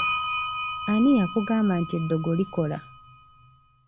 Ani eyakugamba nti eddogo likola?